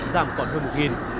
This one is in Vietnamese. giảm còn hơn một